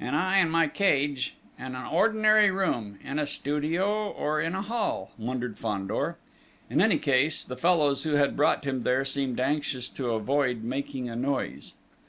"Am I and my cage in an ordinary room, in a studio, or in a hall?" wondered Fandor. In any case, the fellows who had brought him there seemed anxious to avoid making a noise.